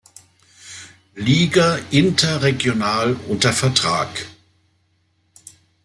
Liga interregional unter Vertrag.